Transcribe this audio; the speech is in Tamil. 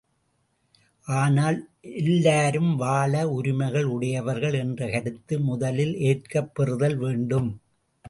ஆதலால், எல்லாரும் வாழ உரிமை உடையவர்கள் என்ற கருத்து முதலில் ஏற்கப் பெறுதல் வேண்டும்.